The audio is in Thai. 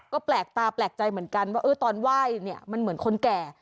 ก็แปลกตาแปลกใจเหมือนกันว่าตอนไหว้เนี่ยมันเหมือนคนแก่